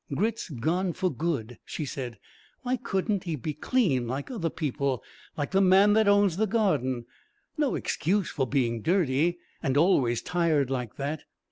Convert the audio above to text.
"Grit's gone for good," she said. "Why couldn't he been clean like other people, like the man that owns the Garden? No excuse for being dirty and always tired like that.